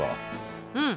うん。